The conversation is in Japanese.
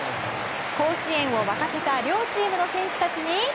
甲子園を沸かせた両チームの選手たちに。